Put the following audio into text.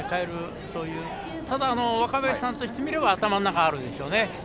ただ、若林さんとしては頭の中にあるでしょうね。